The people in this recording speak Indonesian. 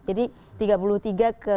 jadi tiga puluh tiga ke